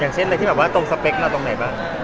อย่างเช่นที่ตรงสเปคเราตรงไหนบ้าง